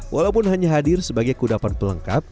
walaupun hanya hadir sebagai kudapan pelengkap